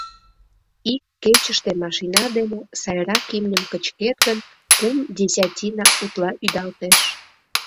Ик кечыште машина дене — сайрак имньым кычкет гын — кум десятина утла ӱдалтеш.